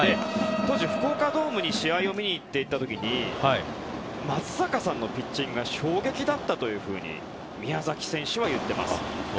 当時、福岡ドームに試合を見に行った時に松坂さんのピッチングが衝撃だったというふうに宮崎選手は言っています。